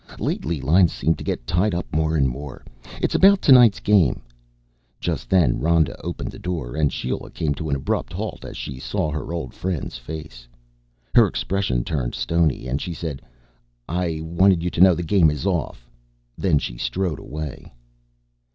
"Lately lines seem to get tied up more and more. It's about tonight's game." Just then Rhoda opened the door and Sheila came to an abrupt halt as she saw her old friend's face. Her expression turned stony and she said, "I wanted you to know the game is off." Then she strode away.